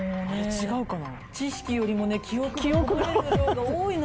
違うかな。